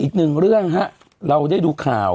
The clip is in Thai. อีกหนึ่งเรื่องฮะเราได้ดูข่าว